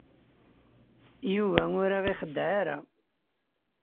Yuba ur aɣ-ixeddeɛ ara.